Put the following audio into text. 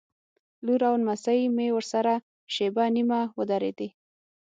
لور او نمسۍ مې ورسره شېبه نیمه ودرېدې.